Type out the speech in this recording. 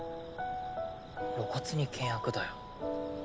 露骨に険悪だよ